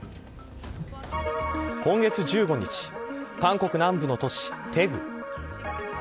今月１５日韓国南部の都市、大邱。